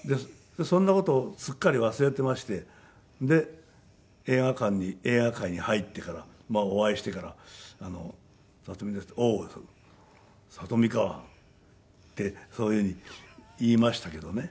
そんな事をすっかり忘れていましてで映画界に入ってからお会いしてから「里見です」って。「おう里見か」ってそういうふうに言いましたけどね。